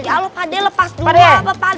eh fadeh lepas dulu apa fadeh